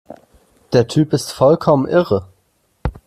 Der Typ ist vollkommen irre!